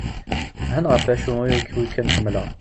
Han ɣef acu i k(m)-ḥemmleɣ.